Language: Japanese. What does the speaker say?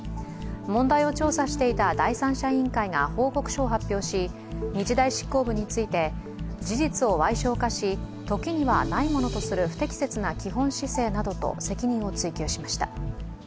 問題を調査していた第三者委員会が報告書を発表し、日大執行部について、事実をわい小化し時にはないものとする不適切な基本姿勢などと責任を追及しました。